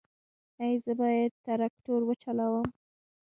ایا زه باید تراکتور وچلوم؟